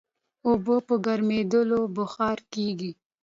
اوبه په ګرمېدو بخار کېږي.